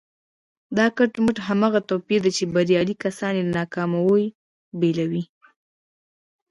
دا کټ مټ هماغه توپير دی چې بريالي کسان له ناکامو بېلوي.